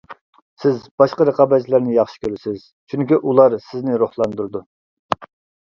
سىز باشقا رىقابەتچىلەرنى ياخشى كۆرىسىز، چۈنكى ئۇلار سىزنى روھلاندۇرىدۇ.